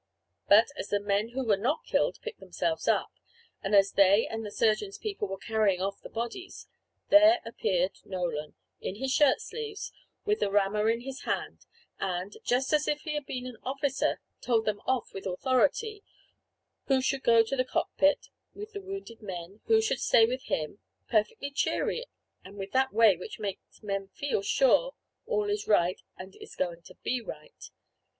But, as the men who were not killed picked themselves up, and as they and the surgeon's people were carrying off the bodies, there appeared Nolan, in his shirt sleeves, with the rammer in his hand, and, just as if he had been the officer, told them off with authority who should go to the cock pit with the wounded men, who should stay with him perfectly cheery, and with that way which makes men feel sure all is right and is going to be right.